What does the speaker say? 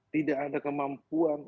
tidak ada kemampuan